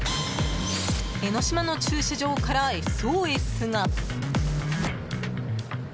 江の島の駐車場からＳＯＳが。